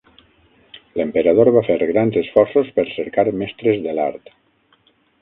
L'emperador va fer grans esforços per cercar mestres de l'art.